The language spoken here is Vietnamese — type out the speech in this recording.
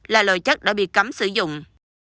là lợi chất đã bị cấm sử dụng